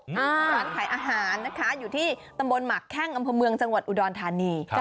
ร้านขายอาหารนะคะอยู่ที่ตำบลหมักแข้งอำเภอเมืองจังหวัดอุดรธานี